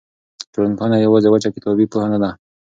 ټولنپوهنه یوازې وچه کتابي پوهه نه ده.